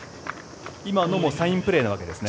今のもサインプレーなわけですね。